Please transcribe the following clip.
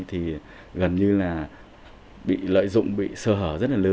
thì gần như là bị lợi dụng bị sờ hở